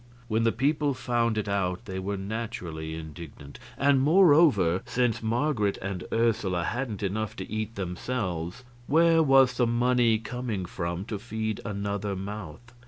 When the people found it out they were naturally indignant. And, moreover, since Marget and Ursula hadn't enough to eat themselves, where was the money coming from to feed another mouth?